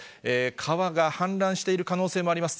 川が氾濫している可能性もあります。